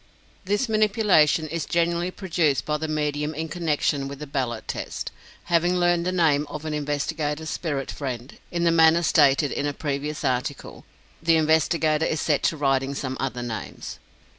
This "manipulation" is generally produced by the medium in connection with the ballot test. Having learned the name of an investigator's spirit friend, in the manner stated in a previous article, the investigator is set to writing some other names.